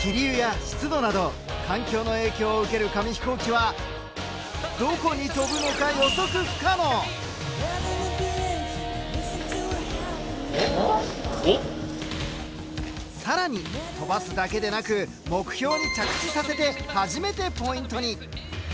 気流や湿度など環境の影響を受ける紙飛行機はどこに飛ぶのか更に飛ばすだけでなく目標に着地させて初めてポイントに。